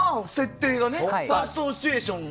ファーストシチュエーションが！